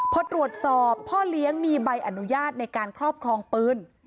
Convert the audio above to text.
พอตรวจสอบพ่อเลี้ยงมีใบอนุญาตในการครอบครองปืน